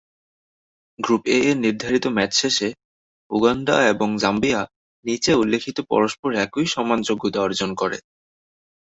Group A এর নির্ধারিত match শেষে, উগান্ডা এবং জাম্বিয়া নিচে উল্লেখিত পরস্পর একই সমান যোগ্যতা অর্জন করে।